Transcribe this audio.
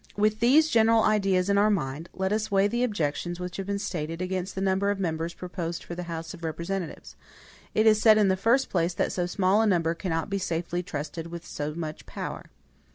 With these general ideas in our mind, let us weigh the objections which have been stated against the number of members proposed for the House of Representatives. It is said, in the first place, that so small a number cannot be safely trusted with so much power.